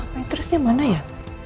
petrusnya mana ya